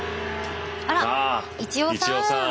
あら一葉さん。